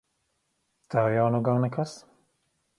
Tev jau nu gan nekas!